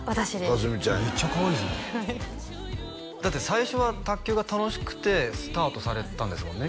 佳純ちゃんやめっちゃかわいいですねだって最初は卓球が楽しくてスタートされたんですもんね